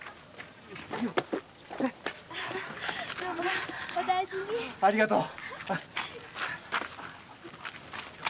ありがとう。